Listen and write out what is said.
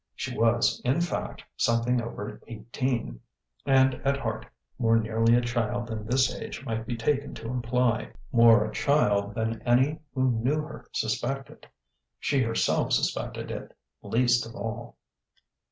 She was, in fact, something over eighteen, and at heart more nearly a child than this age might be taken to imply more a child than any who knew her suspected. She herself suspected it least of all.